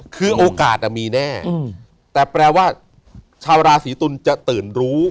คือโอกาสมีแน่แต่แปลว่าชาวราศีตุลจะตื่นรู้